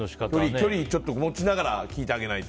距離を持ちながら聞いてあげないと。